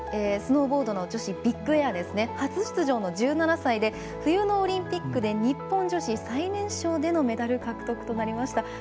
スノーボードの女子ビッグエア初出場の１７歳で冬のオリンピックで日本女子最年少でのメダル獲得となりました。